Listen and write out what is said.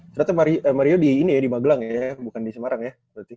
ternyata mario di magelang ya bukan di semarang ya